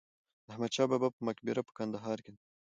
د احمدشاه بابا په مقبره په کندهار کې ده.